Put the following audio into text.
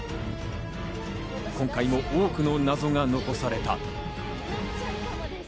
今回も多くの謎が残された。